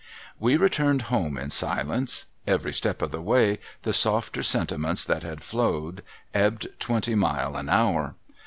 We returned home in silence. Every step of the way, the softer sentiments that had flowed, ebbed twenty mile an hour.